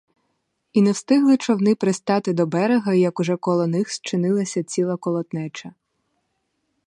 І не встигли човни пристати до берега, як уже коло них зчинилася ціла колотнеча.